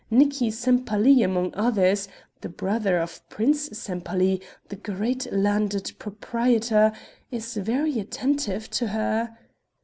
Nicki Sempaly among others the brother of Prince Sempaly, the great landed proprietor is very attentive to her...."